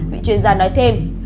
vì chuyên gia nói thêm